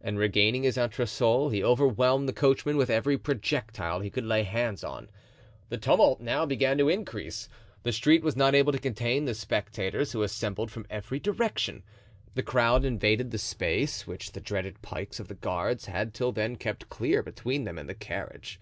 And regaining his entresol he overwhelmed the coachman with every projectile he could lay hands on. The tumult now began to increase; the street was not able to contain the spectators who assembled from every direction; the crowd invaded the space which the dreaded pikes of the guards had till then kept clear between them and the carriage.